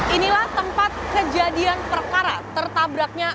inilah tempat kejadian perkara tertabraknya